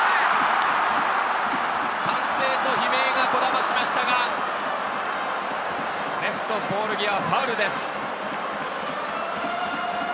歓声と悲鳴がこだましましたが、レフトポール際、ファウルです。